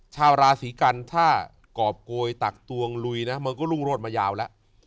ชาวราศีกันถ้ากรอบโกยตักตวงลุยนะมันก็รุ่งโรดมายาวแล้ว